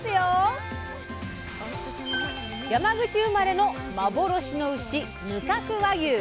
山口生まれの幻の牛無角和牛！